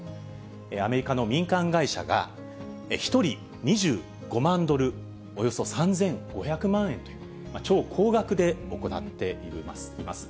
アメリカの民間会社が、１人２５万ドル、およそ３５００万円という、超高額で行っています。